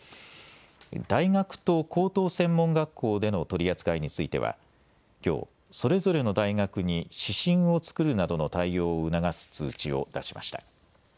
大学と高等専門学校での取り扱いについてはきょうそれぞれの大学に指針を作るなどの対応を促す通知を出しました。